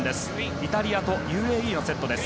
イタリアとＵＡＥのセットです。